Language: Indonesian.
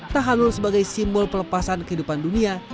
tahalul sebagai simbol pelepasan kehidupan dunia